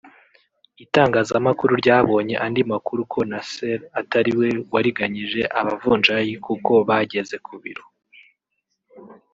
Itangazamakuru ryabonye andi makuru ko Nasser atariwe wariganyije abavunjayi kuko bageze ku biro